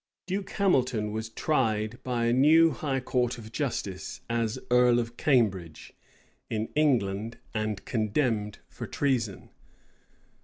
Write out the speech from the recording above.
Duke Hamilton was tried by a new high court of justice, as earl of Cambridge, in England; and condemned for treason.